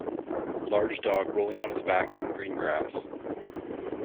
Large dog rolling on its back in green grass.